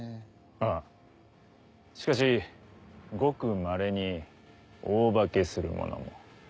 はっしかしごくまれに大化けする者も。